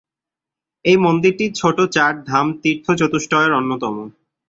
এই মন্দিরটি ছোট চার ধাম তীর্থ-চতুষ্টয়ের অন্যতম।